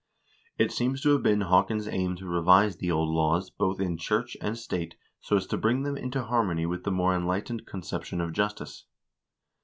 It seems to have been Haakon's aim to revise the old laws both in church and state so as to bring them into harmony with the more enlightened con ception of justice.